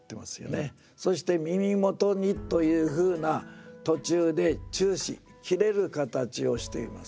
そして「耳元に」というふうな途中で中止切れる形をしています。